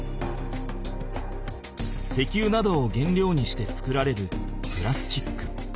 石油などを原料にして作られるプラスチック。